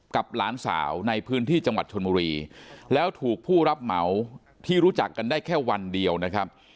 หลานสาวในพื้นที่จังหวัดชนบุรีแล้วถูกผู้รับเหมาที่รู้จักกันได้แค่วันเดียวนะครับ